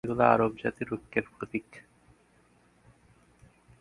এগুলি আরব জাতির ঐক্যের প্রতীক।